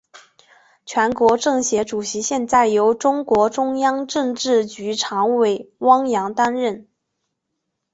全国政协主席现在由中共中央政治局常委汪洋担任。